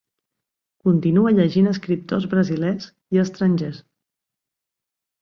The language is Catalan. Continua llegint escriptors brasilers i estrangers.